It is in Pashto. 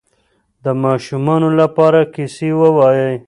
د ماشومانو لپاره کیسې ووایئ.